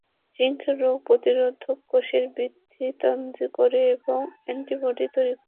Zinc রোগ প্রতিরোধক কোষের বৃদ্ধি ত্বরান্বিত করে এবং অ্যান্টিবডি তৈরি করে।